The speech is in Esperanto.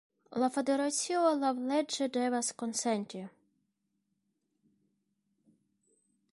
La Federacio laŭleĝe devas konsenti.